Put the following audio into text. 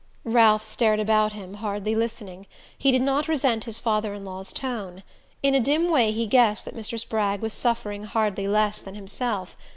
Ralph stared about him, hardly listening. He did not resent his father in law's tone. In a dim way he guessed that Mr. Spragg was suffering hardly less than himself.